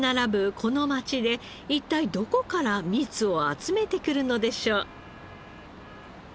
この街で一体どこから蜜を集めてくるのでしょう？